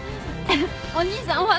お兄さんお話。